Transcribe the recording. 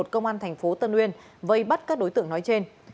một trăm bảy mươi một công an tp tân uyên vây bắt các đối tượng nói trên